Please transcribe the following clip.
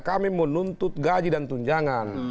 kami menuntut gaji dan tunjangan